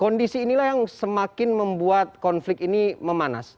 kondisi inilah yang semakin membuat konflik ini memanas